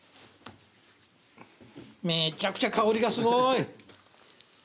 めーちゃくちゃ香りがすごい。